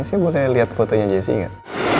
saya boleh liat fotonya jesse gak